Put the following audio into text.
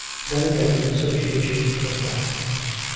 Then, again, association came back.